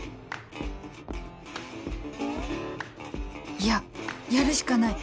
いややるしかない